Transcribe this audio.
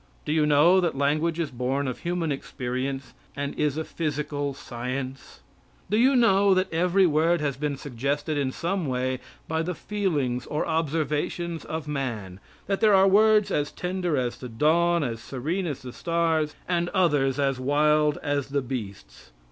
Do you know that language is born of human experience, and is a physical science? Do you know that every word has been suggested in some way by the feelings or observations of man that there are words as tender as the dawn, as serene as the stars, and others as wild as the beasts?